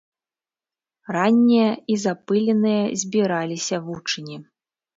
Раннія і запыленыя збіраліся вучні.